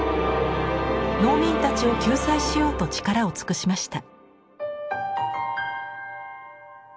農民たちを救済しようと力を尽くしました。